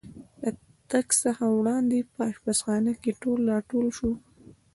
له تګ څخه وړاندې په اشپزخانه کې ټول را ټول شو.